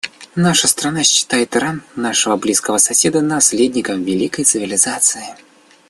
Наша страна считает Иран — нашего близкого соседа — наследником великой цивилизации.